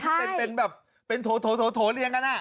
มันเป็นแบบโถโถเรียงกันอ่ะ